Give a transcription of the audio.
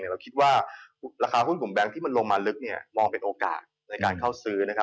เราคิดว่าราคาหุ้นกลุ่มแบงค์ที่มันลงมาลึกมองเป็นโอกาสในการเข้าซื้อ